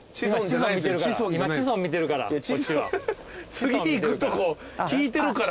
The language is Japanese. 次行くとこ聞いてるから。